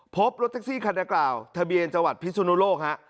พบรถแท็กซี่คันดังกล่าวทะเบียนจังหวัดพิสุนุโลกฮะ